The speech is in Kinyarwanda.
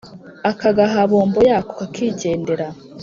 akagaha bombon yako kakigendera,